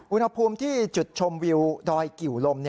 อุณหภูมิที่จุดชมวิวดอยกิวลม